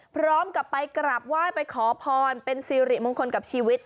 พร้อมกับไปกราบไหว้ไปขอพรเป็นสิริมงคลกับชีวิต